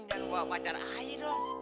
jangan bawa pacar ayo dong